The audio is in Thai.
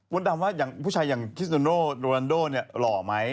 มันดำว่าผู้ชายอย่างฮิทโนโลโรลันโดเนี่ยหล่อมั้ย